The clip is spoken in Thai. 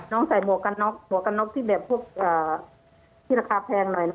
น้องใส่หมวกกันนอกที่ราคาแพงหน่อย